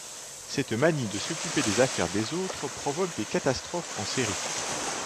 Cette manie de s'occuper des affaires des autres provoque des catastrophes en série.